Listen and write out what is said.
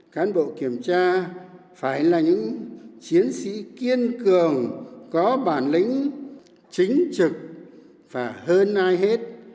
cán bộ kiểm tra phải là những chiến sĩ kiên cường có bản lĩnh chính trực và hơn ai hết